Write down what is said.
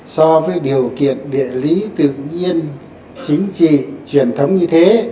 so với điều kiện địa lý tự nhiên chính trị truyền thống như thế